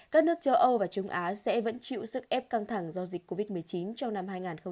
các nước châu âu và trung á sẽ vẫn chịu sức ép căng thẳng do dịch covid một mươi chín trong năm hai nghìn hai mươi